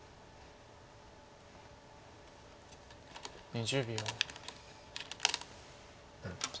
２０秒。